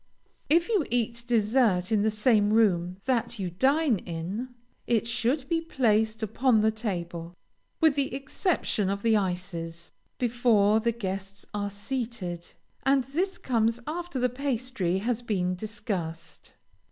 If you eat dessert in the same room that you dine in, it should be placed upon the table (with the exception of the ices) before the guests are seated, and this comes after the pastry has been discussed.